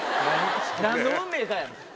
何の運命かやねん。